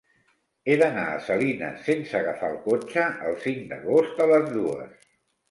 He d'anar a Salines sense agafar el cotxe el cinc d'agost a les dues.